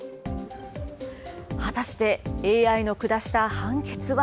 果たしてＡＩの下した判決は。